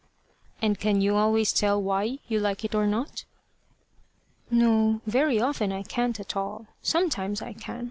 "And can you always tell why you like it or not?" "No. Very often I can't at all. Sometimes I can.